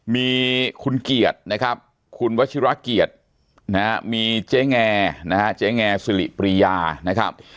มีคุณเกียรตินะครับคุณวัชิราเกียรตินะฮะมีเจ๊แงนะฮะเจ๊แงสิริปรียานะครับ